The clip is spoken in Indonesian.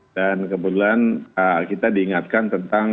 dan kebetulan kita diingatkan tentang